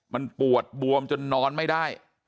มันปวดบวมจนนอนไม่ได้